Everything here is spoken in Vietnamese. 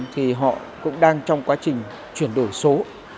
thì họ cũng đang trong quá trình chuyển đổi số